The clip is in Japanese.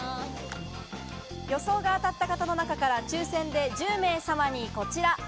予想が当たった方の中から抽選で１０名様にこちら。